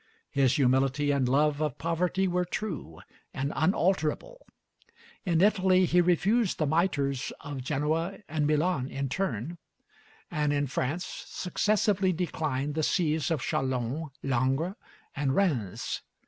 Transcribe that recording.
His humility and love of poverty were true and unalterable. In Italy he refused the mitres of Genoa and Milan in turn, and in France successively declined the sees of Châlons, Langres, and Rheims.